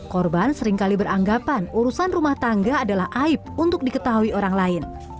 korban seringkali beranggapan urusan rumah tangga adalah aib untuk diketahui orang lain